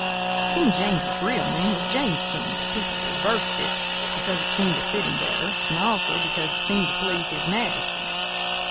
King James's real name was James King; but people reversed it because it seemed to fit him better, and also because it seemed to please his majesty.